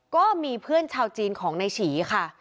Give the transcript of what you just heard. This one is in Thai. ก็มีเพื่อนชาวจีนของนายฉีค่ะ